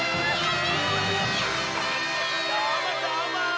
どーもどーも！